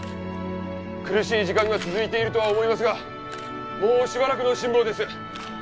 苦しい時間が続いているとは思いますがもうしばらくの辛抱です